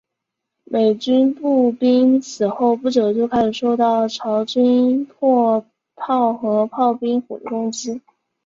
美军步兵此后不久就开始受到朝军迫炮和炮兵火力攻击。